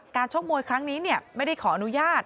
ชกมวยครั้งนี้ไม่ได้ขออนุญาต